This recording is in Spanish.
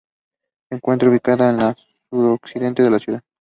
Se encuentra ubicada al suroccidente de la ciudad.